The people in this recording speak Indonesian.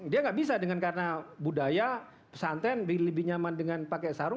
dia tidak bisa karena budaya pesanten lebih nyaman dengan pakai sarung